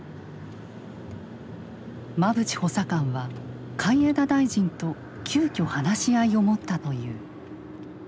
馬淵補佐官は海江田大臣と急きょ話し合いを持ったという。